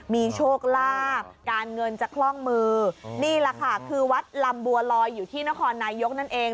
มีโชคลาภการเงินจะคล่องมือนี่แหละค่ะคือวัดลำบัวลอยอยู่ที่นครนายกนั่นเอง